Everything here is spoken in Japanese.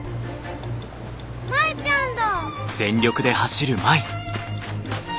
舞ちゃんだ！